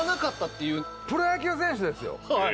プロ野球選手ですよ。